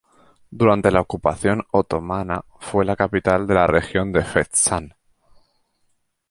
Durante la ocupación otomana fue la capital de la región de Fezzan.